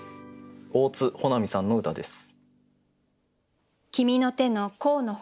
大津穂波さんの歌です。